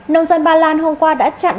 nông dân ba lan hôm qua đã chặn